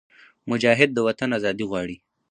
مجاهد د وطن ازادي غواړي.